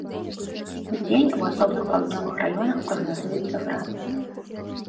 Удзень у асобных паўднёвых раёнах прагназуецца град.